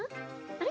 あれ？